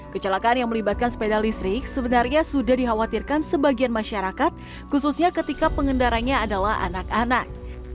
kecelakaan yang melibatkan sepeda listrik sebenarnya sudah dikhawatirkan sebagian masyarakat khususnya ketika pengendaranya adalah anak anak